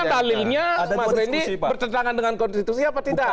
harusnya talilnya mas wendy bertentangan dengan konstitusi apa tidak